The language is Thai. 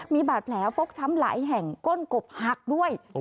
มีบาดแผลฟกช้ำหลายแห่งก้นกบหักด้วย